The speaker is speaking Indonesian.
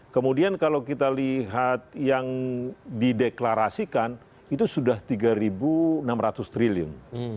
kemudian kalau kita lihat yang dideklarasikan itu sudah rp tiga enam ratus triliun